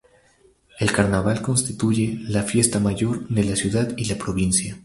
El carnaval constituye la "Fiesta Mayor" de la ciudad y la provincia.